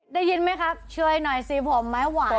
ได้ยินไหมครับช่วยหน่อยสิผมไม่ไหว